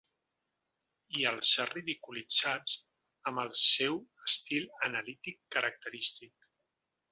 I els ha ridiculitzats amb el seu estil analític característic.